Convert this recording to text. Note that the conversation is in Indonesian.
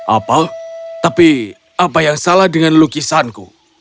apa tapi apa yang salah dengan lukisanku